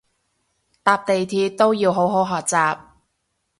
搭地鐵都要好好學習